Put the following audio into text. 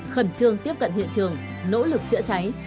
khẩn trương tiếp cận hiện trường nỗ lực chữa cháy